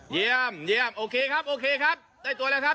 เยี่ยมโอเคครับ